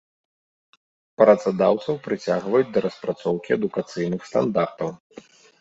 Працадаўцаў прыцягваюць да распрацоўкі адукацыйных стандартаў.